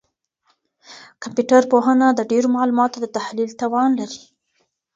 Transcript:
کمپيوټر پوهنه د ډېرو معلوماتو د تحلیل توان لري.